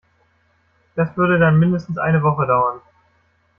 Das würde dann mindestens eine Woche dauern.